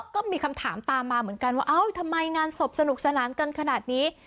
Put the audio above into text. ก็มีคำถามตามมาเหมือนกันว่าเอ้าทำไมงานศพสนุกสนานกันขนาดนี้